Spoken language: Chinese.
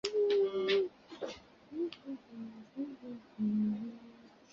他很高兴；但竟给那走来夜谈的老和尚识破了机关